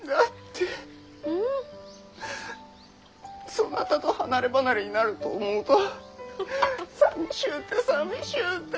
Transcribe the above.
そなたと離れ離れになると思うとさみしゅうてさみしゅうて。